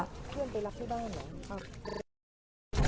เพื่อนไปรับที่บ้านเหรอ